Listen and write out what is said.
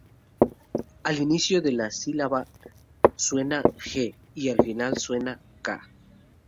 Al inicio de la sílaba suena "g" y al final suena "k".